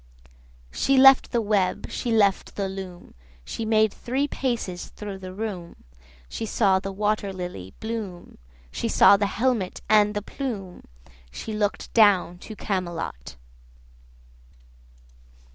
She left the web, she left the loom, She made three paces thro' the room, 110 She saw the water lily bloom, She saw the helmet and the plume, She look'd down to Camelot.